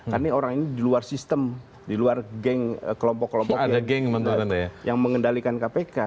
karena orang ini di luar sistem di luar geng kelompok kelompok yang mengendalikan kpk